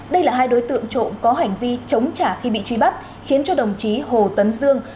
đây là hai đối tượng trộm có hành vi chống trả khi bị truy bắt khiến cho đồng chí hồ tấn dương